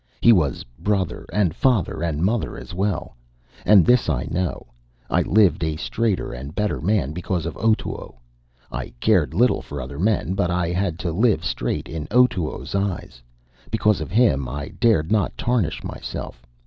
He was brother and father and mother as well. And this I know: I lived a straighter and better man because of Otoo. I cared little for other men, but I had to live straight in Otoo's eyes. Because of him I dared not tarnish myself.